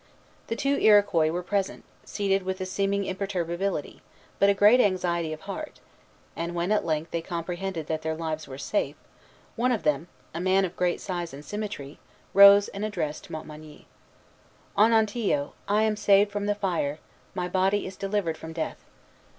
The two Iroquois were present, seated with a seeming imperturbability, but great anxiety of heart; and when at length they comprehended that their lives were safe, one of them, a man of great size and symmetry, rose and addressed Montmagny: "Onontio, I am saved from the fire; my body is delivered from death.